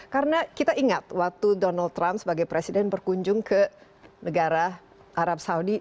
karena kita ingat waktu donald trump sebagai presiden berkunjung ke negara arab saudi